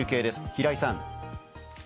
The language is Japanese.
平井さん。